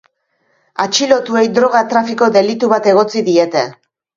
Atxilotuei droga trafiko delitu bat egotzi diete.